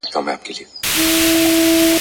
د چینې اوبه ډېرې سړې او خوږې وې.